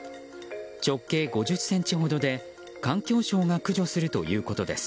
直径５０ｃｍほどで環境省が駆除するということです。